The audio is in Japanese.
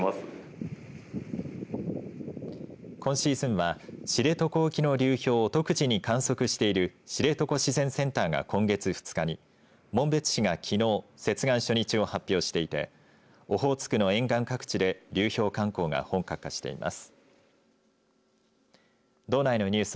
今シーズンは知床沖の流氷を独自に観測している知床自然センターが今月２日に紋別市がきのう接岸初日を発表していてオホーツクの沿岸各地で流氷観光が本格化しています。